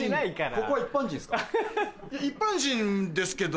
ここは一般人ですか？